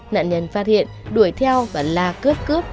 nạn nhân phát hiện đuổi theo và la cướp cướp